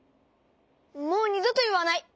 もうにどといわない。